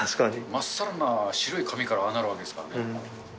まっさらな白い紙からああなるわけですからね。